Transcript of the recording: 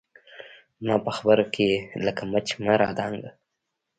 زما په خبره کښې لکه مچ مه رادانګه